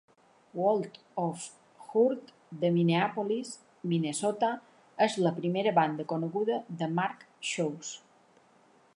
World of Hurt de Minneapolis, Minnesota, és la primera banda coneguda de Mark Chaussee.